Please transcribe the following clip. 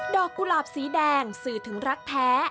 กุหลาบสีแดงสื่อถึงรักแท้